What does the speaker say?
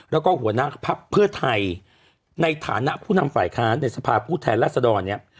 แล้วก็หัวหน้าพักเพื่อไทยในฐานะผู้นำฝ่ายค้านในสภาพผู้แทนรัศดรเนี่ย